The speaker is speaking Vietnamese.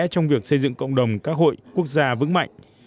trong việc xây dựng cộng đồng các hội quốc gia vững mạnh